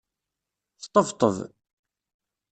Sṭebṭeb.